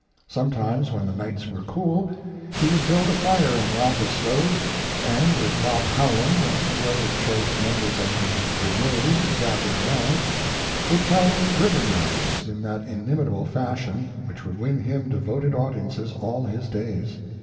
Sometimes, when the nights were cool, he would build a fire in the office stove, and, with Bob Howland and a few other choice members of the "Brigade" gathered around, would tell river yarns in that inimitable fashion which would win him devoted audiences all his days.